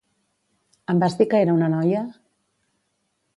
Em vas dir que era una noia?